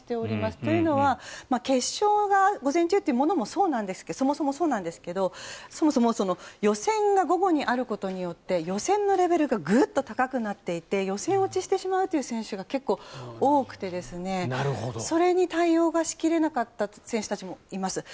というのは決勝が午前中というのがそもそもそうなんですけど、そもそも予選が午後にあることによって予選のレベルがグッと高くなっていて予選落ちしてしまう選手が結構多くてそれに対応がしきれなかった選手もいます。